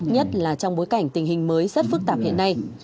nhất là trong bối cảnh tình hình mới rất phức tạp hiện nay